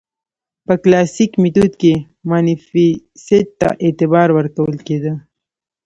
په کلاسیک میتود کې مانیفیست ته اعتبار ورکول کېده.